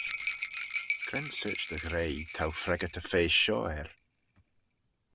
Cre'n sorçh dy ghreie t'ou freggyrt y feysht shoh er?